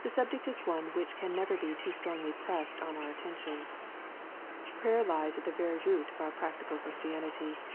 The subject is one which can never be too strongly pressed on our attention. Prayer lies at the very root of our practical Christianity.